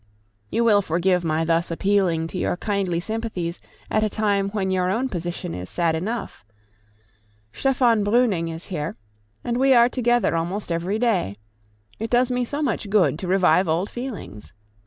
You will forgive my thus appealing to your kindly sympathies at a time when your own position is sad enough. Stephan Breuning is here, and we are together almost every day; it does me so much good to revive old feelings!